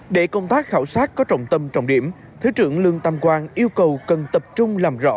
để công tác khảo sát có trọng tâm trọng điểm thứ trưởng lương tam quang yêu cầu cần tập trung làm rõ